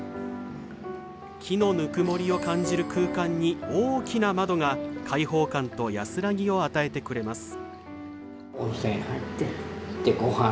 木のぬくもりを感じる空間に大きな窓が開放感と安らぎを与えてくれます。